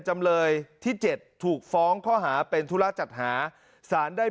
จำเลยที่๗ถูกฟ้องข้อหาเป็นธุระจัดหาสารได้